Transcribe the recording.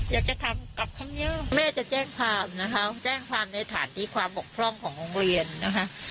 อยากจะทำกับคำนี้แม่จะแจ้งความนะคะแจ้งความในฐานที่ความบกพร่องของโรงเรียนนะคะ